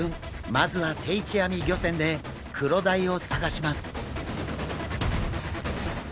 まずは定置網漁船でクロダイを探します。